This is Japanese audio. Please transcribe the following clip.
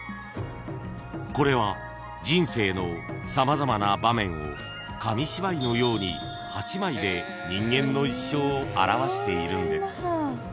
［これは人生の様々な場面を紙芝居のように８枚で人間の一生を表しているんです］